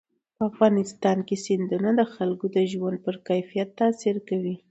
په افغانستان کې سیندونه د خلکو د ژوند په کیفیت تاثیر کوي.